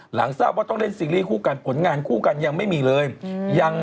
หลังทราบว่าต้องเล่นซีรีส์คู่กันผลงานคู่กันยังไม่มีเลย